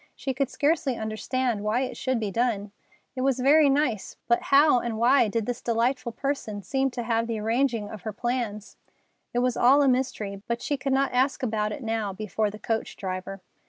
She could scarcely understand why it should be done. It was very nice, but how and why did this delightful person seem to have had the arranging of her plans? It was all a mystery, but she could not ask about it now before the coach driver.